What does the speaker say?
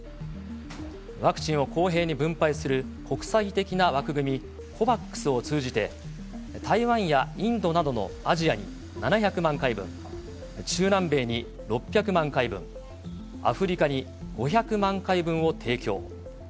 ワクチンを公平に分配する国際的な枠組み、ＣＯＶＡＸを通じて、台湾やインドなどのアジアに７００万回分、中南米に６００万回分、アフリカに５００万回分を提供。